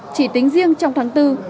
chỉ tính riêng trong tháng bốn